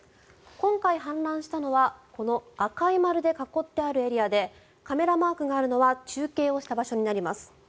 今回、氾濫したのはこの赤い丸で囲ってあるエリアでカメラマークがあるのは中継をした場所になります。